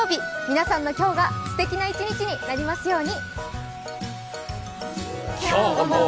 皆さんの今日が素敵な１日になりますように。